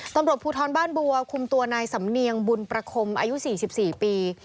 ตำรวจภูทรบ้านบัวคุมตัวนายสำเนียงบุญประคมอายุ๔๔ปี